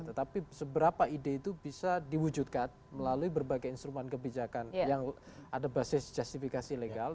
tetapi seberapa ide itu bisa diwujudkan melalui berbagai instrumen kebijakan yang ada basis justifikasi legal